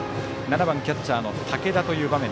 ７番キャッチャー武田という場面。